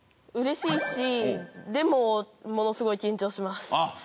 うれしいしでもものすごい緊張します。